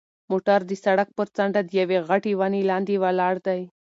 موټر د سړک پر څنډه د یوې غټې ونې لاندې ولاړ دی.